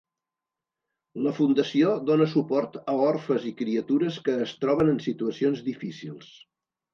La fundació dona suport a orfes i criatures que es troben en situacions difícils.